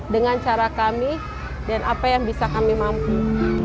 dengan cara kami dan apa yang bisa kami mampu